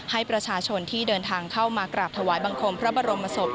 ให้ประชาชนที่เดินทางเข้ามากราบถวายบังคมพระบรมศพ